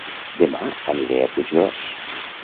Dema aniré a Puiggròs